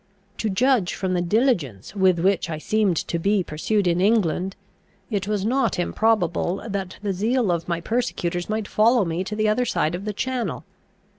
To judge from the diligence with which I seemed to be pursued in England, it was not improbable that the zeal of my persecutors might follow me to the other side of the channel.